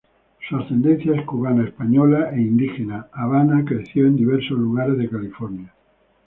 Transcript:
Su ascendencia es cubana, española e indígena. Havana creció en diversos lugares de California.